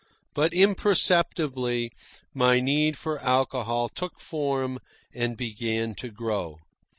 But, imperceptibly, my need for alcohol took form and began to grow.